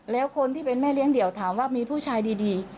แล้วคนที่เป็นแม่เลี้ยเดี่ยวถามว่ามีผู้ชายดี